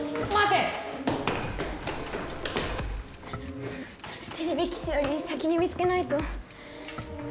てれび騎士より先に見つけないと。